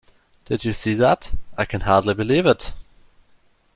Did you see that? I can hardly believe it!